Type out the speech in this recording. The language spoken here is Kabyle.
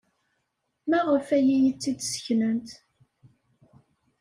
Maɣef ay iyi-tt-id-sseknent?